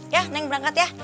ya nek berangkat ya